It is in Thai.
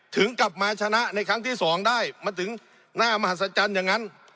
ถึงกลับมาชนะในครั้งที่สองได้มันถึงหน้ามหัศจรรย์อย่างนั้น